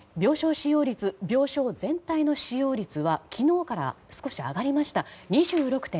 病床全体の使用率は昨日から少し上がりまして２６．６％。